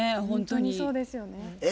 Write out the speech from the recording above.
ほんとにそうですよね。